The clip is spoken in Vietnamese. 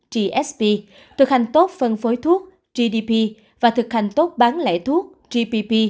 gsb thực hành tốt phân phối thuốc gdp và thực hành tốt bán lẻ thuốc gpp